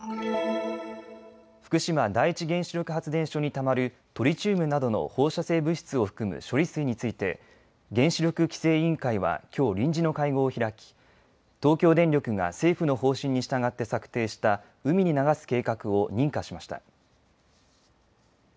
福島第一原子力発電所にたまるトリチウムなどの放射性物質を含む処理水について原子力規制委員会はきょう臨時の会合を開き東京電力が政府の方針に従って策定した海に流す計画を認可しました。